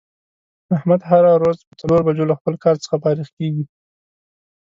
احمد هره روځ په څلور بجو له خپل کار څخه فارغ کېږي.